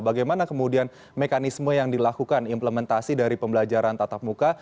bagaimana kemudian mekanisme yang dilakukan implementasi dari pembelajaran tatap muka